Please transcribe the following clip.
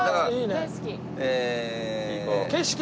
大好き。